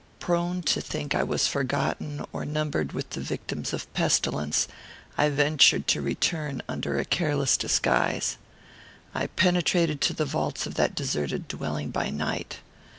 Prone to think I was forgotten, or numbered with the victims of pestilence, I ventured to return under a careless disguise. I penetrated to the vaults of that deserted dwelling by night.